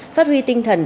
phát huy tinh thần